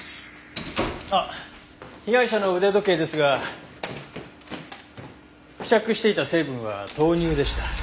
被害者の腕時計ですが付着していた成分は豆乳でした。